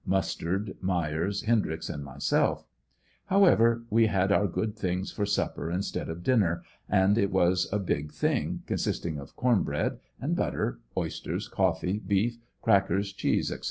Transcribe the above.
Mustard, Myers, Hendry x and m3'Self . However, we had our good things for supper instead of dinner, and it was a big thing, consisting of corn bread and butter, oysters, coff'ee, beef, crackers, cheese &c.